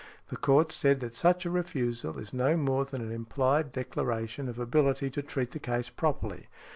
The Court said that such a refusal is no more than an implied declaration of ability to treat the case properly.